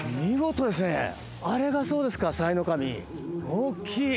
大きい。